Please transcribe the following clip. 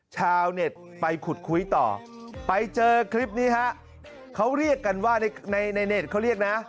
ชาวเน็ตไปขุดคุยต่อไปเจอคลิปนี้ฮะเขาเรียกกันว่าในในเน็ตเขาเรียกนะ